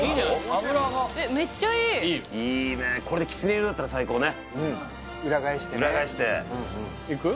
油がいいねこれできつね色だったら最高ね裏返してね裏返していく？